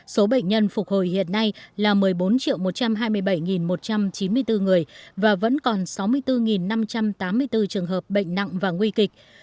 số bệnh nhân phục hồi hiện nay là một mươi bốn một trăm hai mươi bảy một trăm chín mươi bốn người và vẫn còn sáu mươi bốn năm trăm tám mươi bốn trường hợp bệnh nặng và nguy kịch